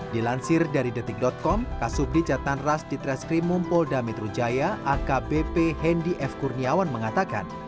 dilansir dari detik com kasubdi jatnan ras ditreskrim mumpol damitru jaya akbp hendi f kurniawan mengatakan